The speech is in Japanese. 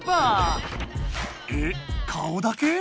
えっ顔だけ？